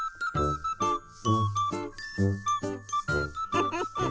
フフフフ。